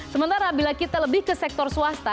sementara bila kita lebih ke sektor swasta